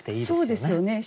そうですよね。